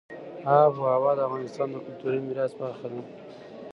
آب وهوا د افغانستان د کلتوري میراث برخه ده.